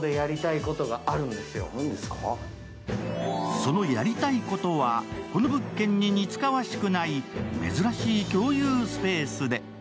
そのやりたいことはこの物件に似つかわしくない珍しい共有スペースで。